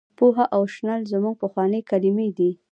پوهه او شنل زموږ پخوانۍ کلمې دي.